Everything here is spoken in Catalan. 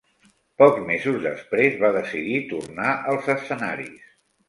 Pocs mesos després va decidir tornar als escenaris.